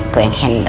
gue yang handle